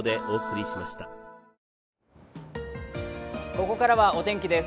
ここからはお天気です。